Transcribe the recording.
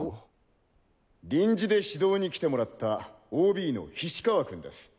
臨時で指導に来てもらったＯＢの菱川君です。